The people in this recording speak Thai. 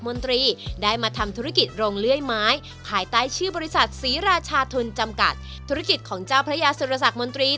มีผู้เหลือราชาทุนจำกัดธุรกิจของเจ้าพระยาสุรษักรมนตรี